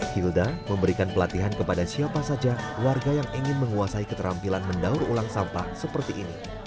hilda memberikan pelatihan kepada siapa saja warga yang ingin menguasai keterampilan mendaur ulang sampah seperti ini